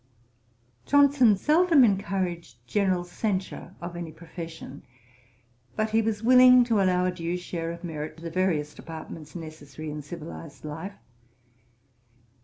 Johnson seldom encouraged general censure of any profession; but he was willing to allow a due share of merit to the various departments necessary in civilised life.